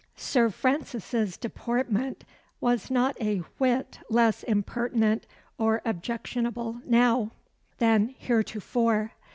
Sir Francis's deportment was not a whit less impertinent or objectionable now than heretofore.